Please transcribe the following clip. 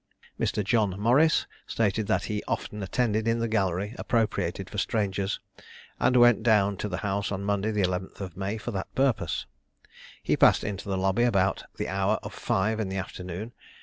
Mr. John Morris stated that he often attended in the gallery appropriated for strangers, and went down to the House on Monday, the 11th of May, for that purpose. He passed into the lobby about the hour of five in the afternoon.